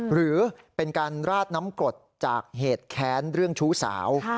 หรือเป็นการราดน้ำกรดจากเหตุแค้นเรื่องชู้สาว